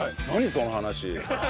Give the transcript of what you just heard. その話。